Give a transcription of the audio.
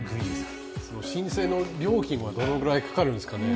申請の料金はどのくらいかかるんでしょうね。